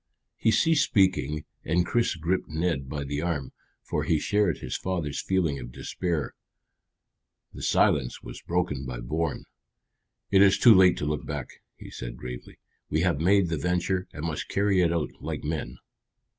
He ceased speaking, and Chris gripped Ned by the arm, for he shared his father's feeling of despair. The silence was broken by Bourne. "It is too late to look back," he said gravely. "We have made the venture, and must carry it out like men."